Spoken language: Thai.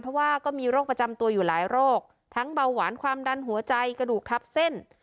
เพราะว่าก็มีโรคประจำตัวอยู่หลายโรคทั้งเบาหวานความดันหัวใจกระดูกทับเส้น